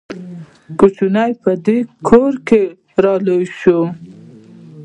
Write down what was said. کوچنی په دې کور کې را لوی شوی.